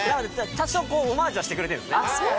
多少オマージュはしてくれてるんですね。